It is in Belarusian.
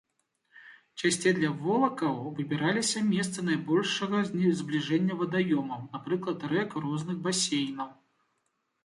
Часцей для волакаў выбіраліся месцы найбольшага збліжэння вадаёмаў, напрыклад рэк розных басейнаў.